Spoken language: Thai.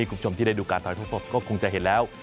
คุณผู้ชมที่ได้ดูการถ่ายทอดสดก็คงจะเห็นแล้ว